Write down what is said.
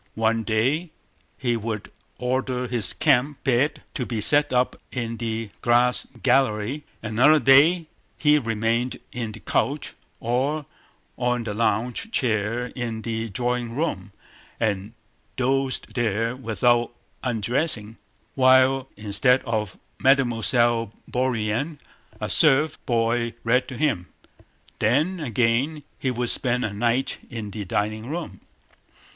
One day he would order his camp bed to be set up in the glass gallery, another day he remained on the couch or on the lounge chair in the drawing room and dozed there without undressing, while—instead of Mademoiselle Bourienne—a serf boy read to him. Then again he would spend a night in the dining room.